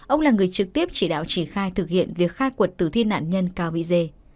ông là người trực tiếp chỉ đạo chỉ khai thực hiện việc khai cuộc tử thi nạn nhân cao bị dê